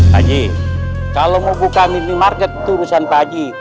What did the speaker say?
haji kalau mau buka minimarket tuh urusan pak haji